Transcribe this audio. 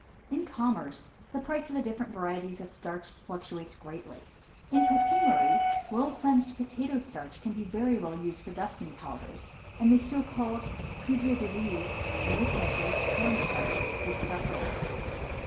In commerce the price of the different varieties of starch fluctuates greatly; in perfumery well cleansed potato starch can very well be used for dusting powders, and the so called poudre de riz; in this country, corn starch is preferable.